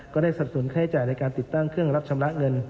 สับสนุนค่าใช้จ่ายในการติดตั้งเครื่องรับชำระเงิน